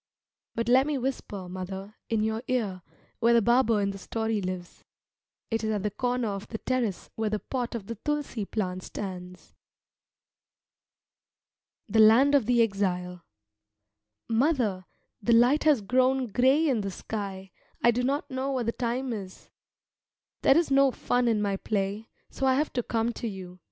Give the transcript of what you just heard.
But let me whisper, mother, in your ear where the barber in the story lives. It is at the corner of the terrace where the pot of the tulsi plant stands. THE LAND OF THE EXILE Mother, the light has grown grey in the sky; I do not know what the time is. There is no fun in my play, so I have come to you.